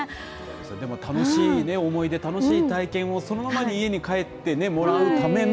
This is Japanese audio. でも楽しい思い出楽しい体験をそのままに家に帰ってもらうための